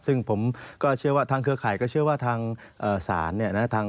ซึ่งผมก็เชื่อว่าทางเครือข่ายก็เชื่อว่าทางศาลเนี่ยนะ